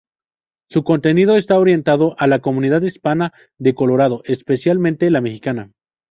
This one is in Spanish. Su contenido está orientado a la comunidad hispana de Colorado, especialmente la mexicana.